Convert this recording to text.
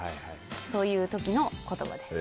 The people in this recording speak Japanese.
そういう時の言葉です。